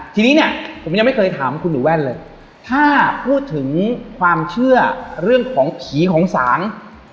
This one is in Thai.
ทีนี้เนี่ยผมยังไม่เคยถามคุณหนูแว่นเลยถ้าพูดถึงความเชื่อเรื่องของผีของศาล